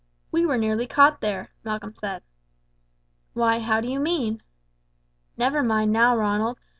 "We were nearly caught there," Malcolm said. "Why, how do you mean?" "Never mind now, Ronald.